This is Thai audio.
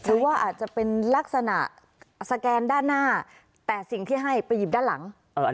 หรือว่าอาจจะเป็นลักษณะสแกนด้านหน้าแต่สิ่งที่ให้ไปหยิบด้านหลัง